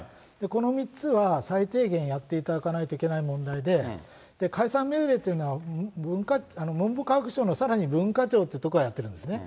この３つは最低限やっていただかないといけない問題で、解散命令というのは、文部科学省のさらに文化庁っていうところがやってるんですね。